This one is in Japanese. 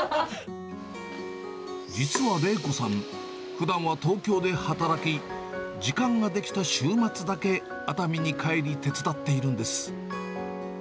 実は礼子さん、ふだんは東京で働き、時間が出来た週末だけ熱海に帰り、手伝っているんです。